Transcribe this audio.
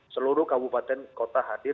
seluruh kabupaten kota hadir